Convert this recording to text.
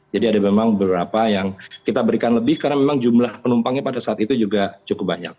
jadi ada memang beberapa yang kita berikan lebih karena memang jumlah penumpangnya pada saat itu juga cukup banyak